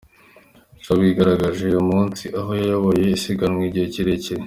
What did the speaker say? ca wigaragaje uyu munsi aho yayoboye isiganwa igihe kirekire.